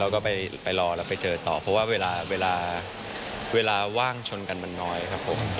แล้วก็ไปรอแล้วไปเจอต่อเพราะว่าเวลาเวลาว่างชนกันมันน้อยครับผม